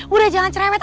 udah jangan cerewet